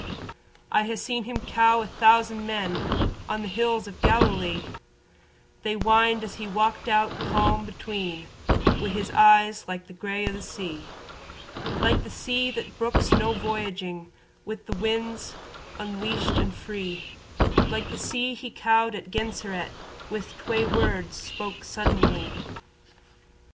I ha' seen him cow a thousand men On the hills o' Galilee, They whined as he walked out calm between, Wi' his eyes like the grey o' the sea, Like the sea that brooks no voyaging With the winds unleashed and free, Like the sea he cowed at Genseret Wi' twey words spoke' suddently.